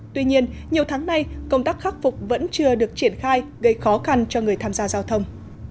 tuy nhiên nhiều tháng nay công tác khắc phục vẫn chưa được triển khai gây khó khăn cho người tham gia giao thông